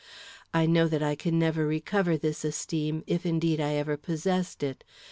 I know that I can never recover this esteem if, indeed, I ever possessed it.